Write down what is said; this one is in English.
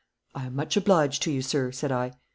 'I am much obliged to you, sir,' said I.